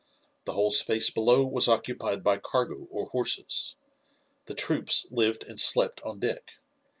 The whole space below was occupied by cargo or horses. The troops lived and slept on deck.